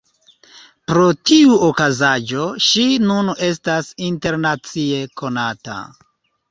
Pro tiu okazaĵo ŝi nun estas internacie konata.